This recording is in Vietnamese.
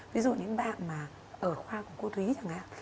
ví dụ những bạn mà ở khoa của cô thúy chẳng hạn